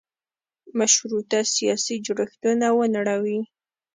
مشروطه سیاسي جوړښتونه ونړوي.